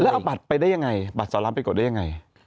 แล้วเอาบัตรไปได้ยังไงบัตรสรำไปกดได้ยังไง